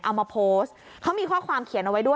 เอามาโพสต์เขามีข้อความเขียนเอาไว้ด้วย